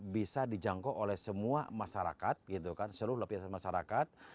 bisa dijangkau oleh semua masyarakat gitu kan seluruh lapisan masyarakat